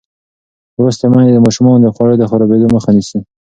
لوستې میندې د ماشومانو د خوړو د خرابېدو مخه نیسي.